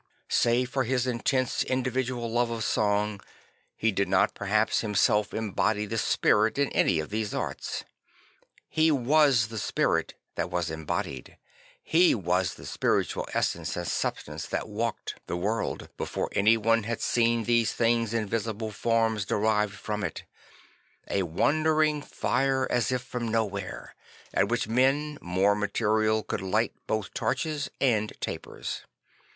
Save for his intense individual love of song, he did not perhaps him self embody this spirit in any of these arts. He was the spirit that \vas embodied. He was the spiritual essence and substance that walked the 18 4 St. FranciJ of Assz'si world, before anyone had seen these things in visible forms derived from it: a wandering fire as if from nowhere, at which men more material could light both torches and tapers.